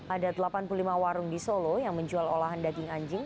ada delapan puluh lima warung di solo yang menjual olahan daging anjing